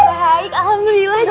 baik alhamdulillah cek